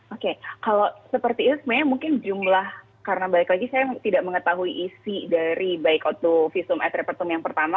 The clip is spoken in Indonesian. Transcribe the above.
oke kalau seperti itu sebenarnya mungkin jumlah karena balik lagi saya tidak mengetahui isi dari baik itu visum et repertum yang pertama